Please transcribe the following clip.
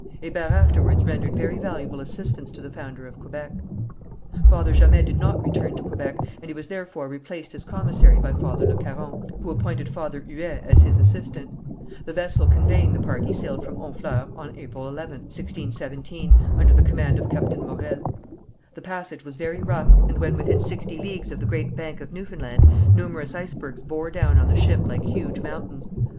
Hébert afterwards rendered very valuable assistance to the founder of Quebec. Father Jamet did not return to Quebec, and he was therefore replaced as commissary by Father Le Caron, who appointed Father Huet as his assistant. The vessel conveying the party sailed from Honfleur on April 11th, 1617, under the command of Captain Morel. The passage was very rough, and when within sixty leagues of the Great Bank of Newfoundland, numerous icebergs bore down on the ship like huge mountains.